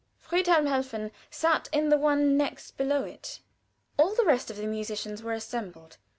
Friedhelm Helfen sat in the one next below it. All the rest of the musicians were assembled.